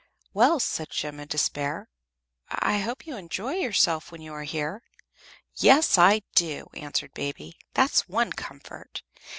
"Well," said Jem, in despair, "I hope you enjoy yourself when you are here?" "Yes, I do," answered Baby. "That's one comfort.